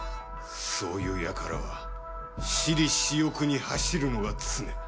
そういう輩は私利私欲に走るのが常。